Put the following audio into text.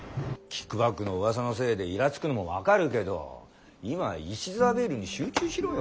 キックバックのうわさのせいでいらつくのも分かるけど今は石沢ビールに集中しろよ。